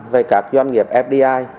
về các doanh nghiệp fdi